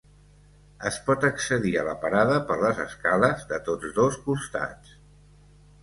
És pot accedir a la parada per les escales de tots dos costats.